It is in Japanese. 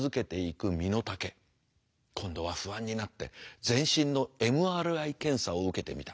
今度は不安になって全身のＭＲＩ検査を受けてみた。